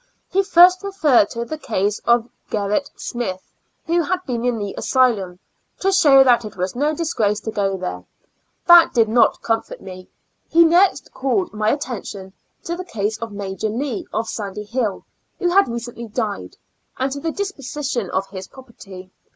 He first referred to the case of Gl^errit Smith, who had been in the asylum, to show that it was no disgrace to go there; that did not comfort me. He next called my attention to the case of Major Lee, of Sandy Hill, who had recently died, and to the disposition of his property.